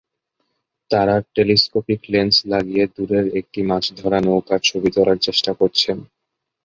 তাঁরা telescopic lens লাগিয়ে দূরের একটি মাছধরা নৌকার ছবি তোলার চেষ্টা করছেন।